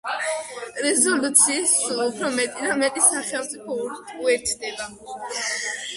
რეზოლუციებს სულ ურო მეტი და მეტი სახელმწიფო უერთდება.